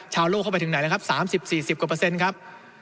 ชาวโลกเข้าไปถึงไหนแล้วครับ๓๐๔๐กว่าเปอร์เซ็นต์ครับ